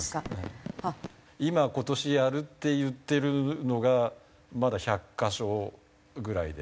今今年やるって言ってるのがまだ１００カ所ぐらいで。